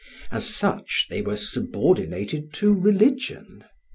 As such they were subordinated to religion.